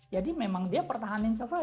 jadi memang dia pertahanan server